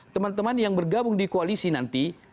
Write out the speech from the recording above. teman teman yang bergabung di koalisi nanti